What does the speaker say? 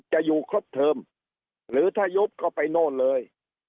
จะอยู่ครบเทอมหรือถ้ายุบก็ไปโน่นเลย